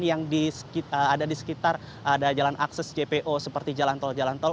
yang ada di sekitar ada jalan akses jpo seperti jalan tol jalan tol